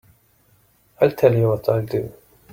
I'll tell you what I'll do.